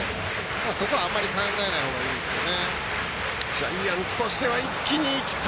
そこはあまり考えないほうがいいですよね。